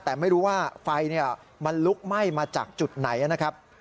แต่ไม่รู้ว่าไฟมันลุกไหม้มาจากจุดไหนนะครับ